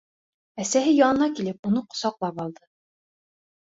Әсәһе янына килеп, уны ҡосаҡлап алды: